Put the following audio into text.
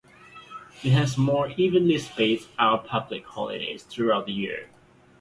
This has more evenly spaced out public holidays throughout the year.